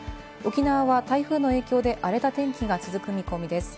沖縄は台風の影響で荒れた天気が続く見込みです。